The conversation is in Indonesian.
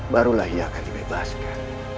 barulah ia akan dibebaskan